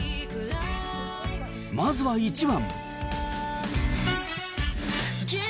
まずは１番。